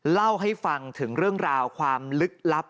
เล่าให้ฟังถึงเรื่องราวความลึกลับ